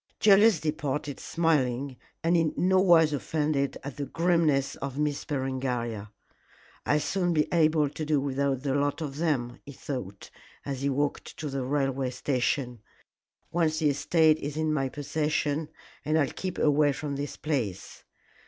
Julius departed smiling and in no wise offended at the grimness of Miss Berengaria. "I'll soon be able to do without the lot of them," he thought, as he walked to the railway station, "once the estate is in my possession, and I'll keep away from this place.